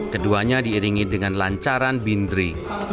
keduanya diiringi dengan lancaran bindri